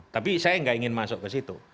tapi saya nggak ingin masuk ke situ